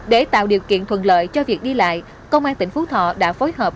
để tạo điều kiện thuận lợi cho việc đi lại công an tỉnh phú thọ đã phối hợp